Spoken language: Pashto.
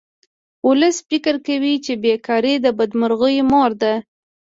ولس فکر کوي چې بې کاري د بدمرغیو مور ده